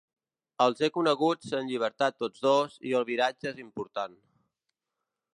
Els he coneguts en llibertat tots dos i el viratge és important.